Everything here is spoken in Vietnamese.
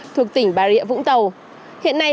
thuộc tỉnh bà rịa vũng tàu hiện nay